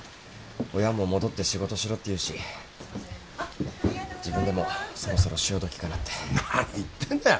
親も戻って仕事しろって言うし自分でもそろそろ潮時かなって何言ってんだよ